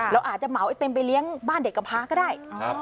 เราอาจจะเหมาไอเต็มไปเลี้ยงบ้านเด็กกระพาก็ได้